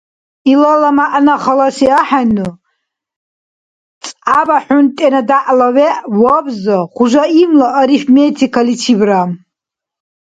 Илала мягӀна халаси ахӀену, цӀябахӀунтӀена дяхӀла вегӀ, вабза хужаимла арифметикаличибра?